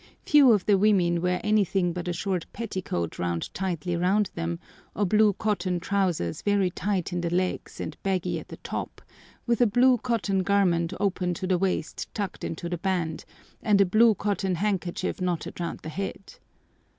Few of the women wear anything but a short petticoat wound tightly round them, or blue cotton trousers very tight in the legs and baggy at the top, with a blue cotton garment open to the waist tucked into the band, and a blue cotton handkerchief knotted round the head.